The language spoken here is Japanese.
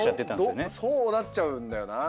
そうなっちゃうんだよなぁ。